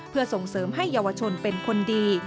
เพื่อส่งเสริมให้เยาวชนเป็นคนดี